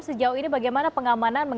sejauh ini bagaimana pengamanan